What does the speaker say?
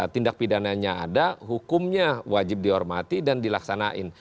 tindak pidananya ada hukumnya wajib dihormati dan dilaksanakan